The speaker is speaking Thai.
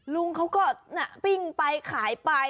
ลุงเขาก็ปิ้งไปขายไป